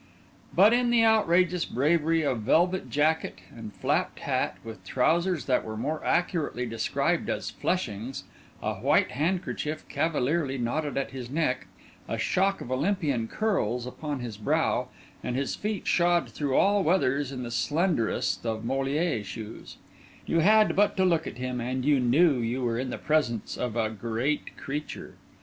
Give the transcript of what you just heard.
But in the outrageous bravery of velvet jacket and flapped hat, with trousers that were more accurately described as fleshings, a white handkerchief cavalierly knotted at his neck, a shock of Olympian curls upon his brow, and his feet shod through all weathers in the slenderest of Molière shoes—you had but to look at him and you knew you were in the presence of a Great Creature.